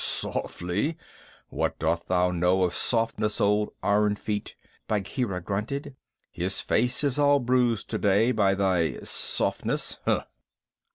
"Softly! What dost thou know of softness, old Iron feet?" Bagheera grunted. "His face is all bruised today by thy softness.